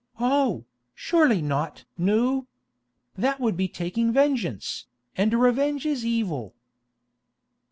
"Oh, surely not! Nou. That would be taking vengeance, and revenge is evil."